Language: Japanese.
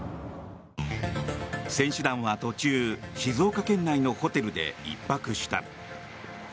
選手団は途中静岡県内のホテルで１泊した。